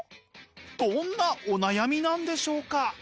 どんなお悩みなんでしょうか？